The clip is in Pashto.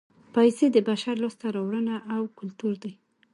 پیسې د بشر لاسته راوړنه او کولتور دی